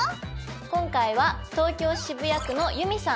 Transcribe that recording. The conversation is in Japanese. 今回は東京・渋谷区のユミさん